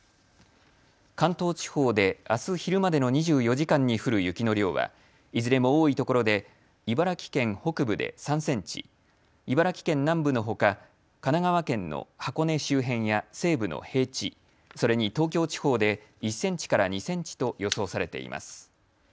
関東地方であす昼までの２４時間に降る雪の量はいずれも多いところで茨城県北部で３センチ、茨城県南部のほか神奈川県の箱根周辺や西部の平地、それに東京地方で１センチから２センチと予想されています。